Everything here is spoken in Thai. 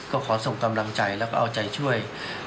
ก็ขอส่งกำลังใจแล้วก็เอาใจช่วย